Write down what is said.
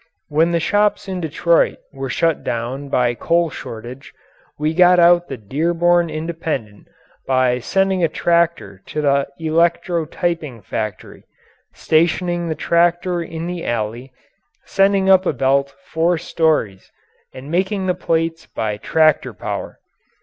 When the shops in Detroit were shut down by coal shortage, we got out the Dearborn Independent by sending a tractor to the electro typing factory stationing the tractor in the alley, sending up a belt four stories, and making the plates by tractor power.